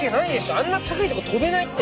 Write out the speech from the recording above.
あんな高いとこ跳べないって。